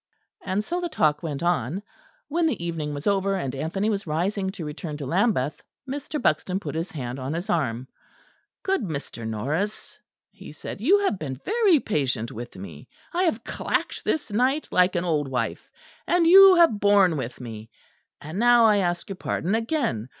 And so the talk went on. When the evening was over, and Anthony was rising to return to Lambeth, Mr. Buxton put his hand on his arm. "Good Mr. Norris," he said, "you have been very patient with me. I have clacked this night like an old wife, and you have borne with me: and now I ask your pardon again.